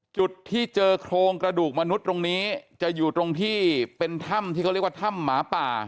จุดที่เจอโครงกระดูกมนุษย์ตรงนี้จะอยู่ตรงที่เป็นถ้ำที่เขาเรียกว่าถ้ำหมาป่า